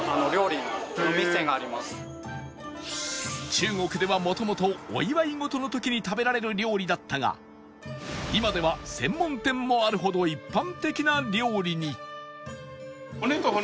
中国ではもともとお祝い事の時に食べられる料理だったが今では専門店もあるほど一般的な料理に